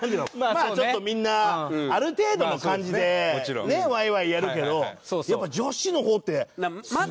まあちょっとみんなある程度の感じでねワイワイやるけどやっぱ。